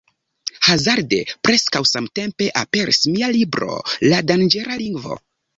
Hazarde, preskaŭ samtempe aperis mia libro La danĝera lingvo.